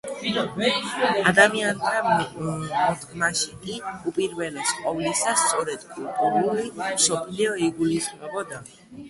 ადამიანთა მოდგმაში კი უპირველეს ყოვლისა სწორედ კულტურული მსოფლიო იგულისხმებოდა.